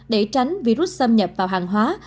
để tránh virus xâm nhập vào hàng hóa